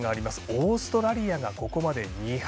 オーストラリアがここまで２敗。